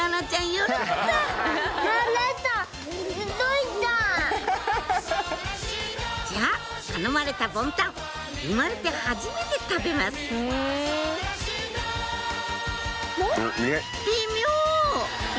喜んだじゃあ頼まれたボンタン生まれて初めて食べます微妙！